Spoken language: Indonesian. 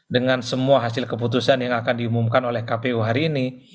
dengan semua hasil keputusan yang akan diumumkan oleh kpu hari ini